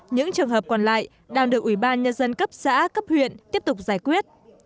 những trường hợp còn lại đang được ủy ban nhân dân cấp xã cấp huyện tiếp tục giải quyết